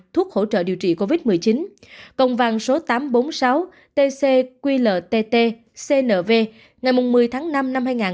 thuốc hỗ trợ điều trị covid một mươi chín công vang số tám trăm bốn mươi sáu tc qltt cnv ngày một mươi tháng năm năm hai nghìn hai mươi